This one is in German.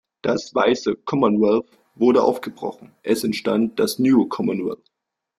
Das "weiße" Commonwealth wurde aufgebrochen; es entstand das "New Commonwealth".